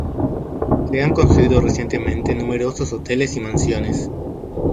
Se han construido recientemente numerosos hoteles y mansiones.